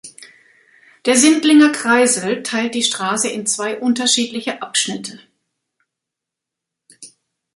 Der Sindlinger Kreisel teilt die Straße in zwei unterschiedliche Abschnitte.